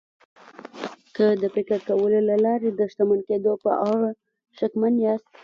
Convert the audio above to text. که د فکر کولو له لارې د شتمن کېدو په اړه شکمن ياست.